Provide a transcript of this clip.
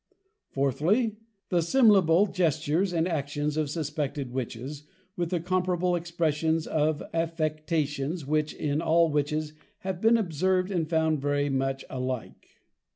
4thly, The semblable Gestures and Actions of suspected Witches, with the comparable Expressions of Affections, which in all Witches have been observ'd and found very much alike.